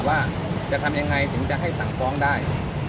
ว่าจะทำยังไงถึงจะให้สั่งฟ้องได้